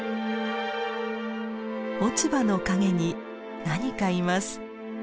落ち葉の陰に何かいます。